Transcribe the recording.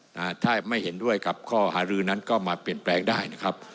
ถ้าไม่เห็นด้วยกับข้อหารือนั้นก็มาเปลี่ยนแปลงได้นะครับ